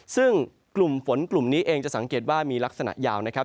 ซึ่งกลุ่มฝนกลุ่มนี้เองจะสังเกตว่ามีลักษณะยาวนะครับ